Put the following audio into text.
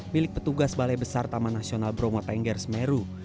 milik petugas balai besar taman nasional bromo tengger semeru